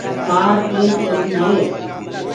ڪآر تيج چلدي هي۔